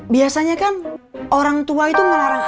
biasanya kan orang tua itu melarang